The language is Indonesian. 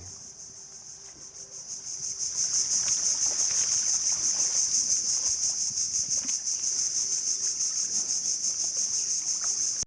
ksop menarik kapal dari gosong ke malundung tarakan